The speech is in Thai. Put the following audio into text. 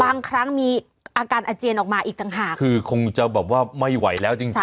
บางครั้งมีอาการอาเจียนออกมาอีกต่างหากคือคงจะแบบว่าไม่ไหวแล้วจริงจริง